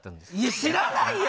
知らないよ！